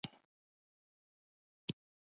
څنګه کولی شم د ماشومانو د خوړو عادت ښه کړم